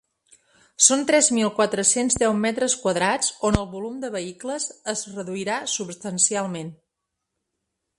Són tres mil quatre-cents deu metres quadrats on el volum de vehicles es reduirà substancialment.